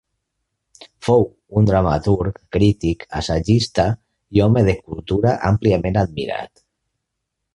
Fou un dramaturg, crític, assagista i home de cultura àmpliament admirat.